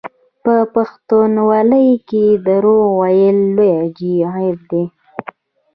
په پښتونولۍ کې دروغ ویل لوی عیب دی.